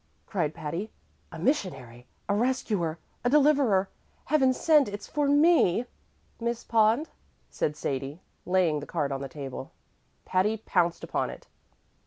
cried Patty. "A missionary! A rescuer! A deliverer! Heaven send it's for me!" "Miss Pond," said Sadie, laying the card on the table. Patty pounced upon it.